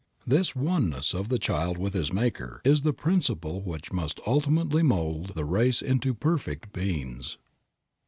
This oneness of the child with his Maker is the principle which must ultimately mold the race into perfect beings.